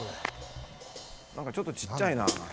何かちょっとちっちゃいな。